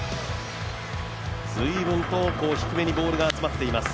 随分と、低めにボールが集まっています。